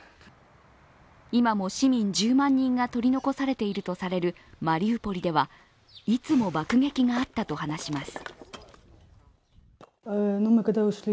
今も市民１０万人が取り残されているとされるマリウポリではいつも爆撃があったと話します。